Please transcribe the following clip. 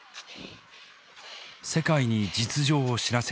「世界に実情を知らせたい」。